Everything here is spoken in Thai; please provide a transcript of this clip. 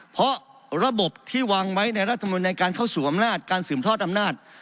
เพราะระบบที่วางไว้ในรัฐมนุนในการเข้าสู่อำนาจการสืบทอดอำนาจ